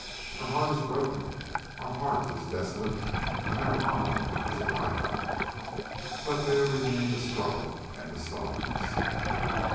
Our Heart is broken, our hearth is desolate, and our honour is a byword, but there remain the 'struggle and the stars.